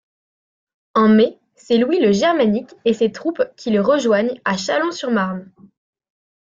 En mai, c'est Louis le Germanique et ses troupes qui les rejoignent à Châlons-sur-Marne.